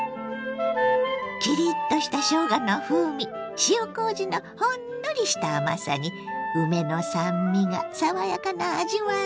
キリッとしたしょうがの風味塩こうじのほんのりした甘さに梅の酸味が爽やかな味わい。